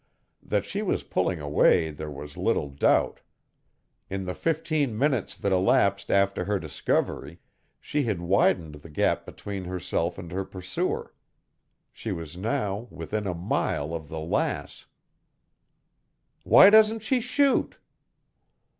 That she was pulling away there was little doubt. In the fifteen minutes that elapsed after her discovery she had widened the gap between herself and her pursuer. She was now within a mile of the Lass. "Why doesn't she shoot?"